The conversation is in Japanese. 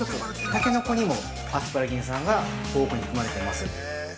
たけのこにもアスパラギン酸が、豊富に含まれています。